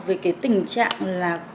về cái tình trạng là